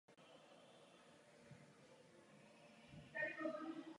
Voda byla svedena i do příkopů kolem hradu Vincennes.